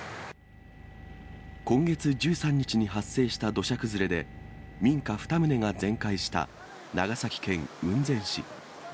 今月１３日に発生した土砂崩れで、民家２棟が全壊した長崎県雲仙市。